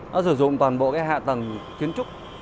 nó sử dụng toàn bộ cái hạ tầng kiến trúc